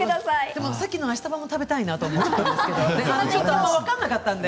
でもさっきのアシタバも食べたいなと思ったんですけども味が分からなかったんで。